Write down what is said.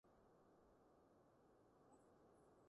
曾經為過飯堂的食物太差而去請願